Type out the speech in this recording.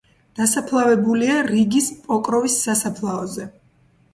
დასაფლავებულია რიგის პოკროვის სასაფლაოზე.